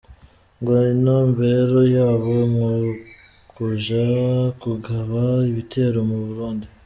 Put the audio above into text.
Ngo intumbero y'abo n'ukuja kugaba ibitero mu Burundi.